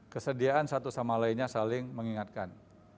kesediaan satu sama lainnya saling mengingatkan